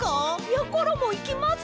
やころもいきます！